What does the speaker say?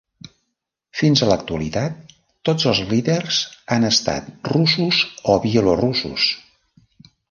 Fins a l'actualitat, tots els líders han estat russos o bielorussos.